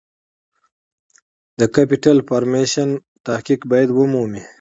د Capital Formation تحقق باید ومومي.